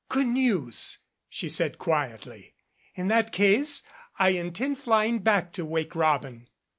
"Good news," she said quietly. "In that case I intend flying back to 'Wake Robin'."